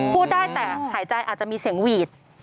พูดได้แต่หายใจอาจจะมีเสียงหวีด